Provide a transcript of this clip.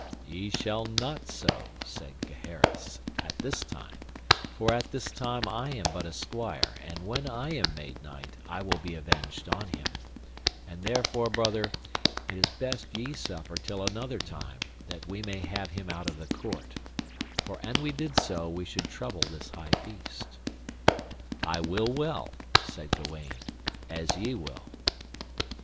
Ye shall not so, said Gaheris, at this time, for at this time I am but a squire, and when I am made knight I will be avenged on him, and therefore, brother, it is best ye suffer till another time, that we may have him out of the court, for an we did so we should trouble this high feast. I will well, said Gawaine, as ye will.